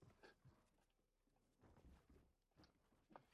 Juana Azurduy tiene una espada en su mano izquierda, como símbolo de liberación.